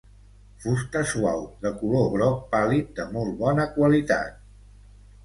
Fusta suau, de color groc pàl·lid de molt bona qualitat.